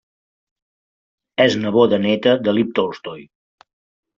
És neboda neta de Lev Tolstoi.